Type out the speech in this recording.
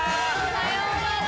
さようなら。